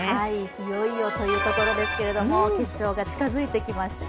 いよいよというところですけれども決勝が近づいてきました。